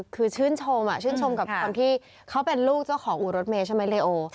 คือชื่นชมชื่นชมกับคนที่เขาเป็นลูกเจ้าของอู่รถเมย์ใช่ไหมเรโอ